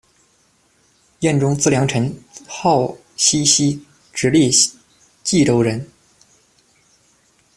燕忠，字良臣，号西溪，直隶蓟州人。